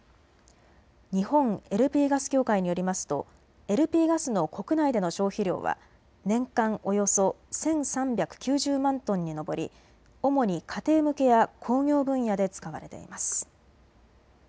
日本ＬＰガス協会によりますとＬＰガスの国内での消費量は年間およそ１３９０万トンに上り主に家庭向けや工業分野で使われています。